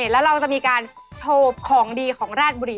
แล้วเราจะมีการโชว์ของดีของราชบุรี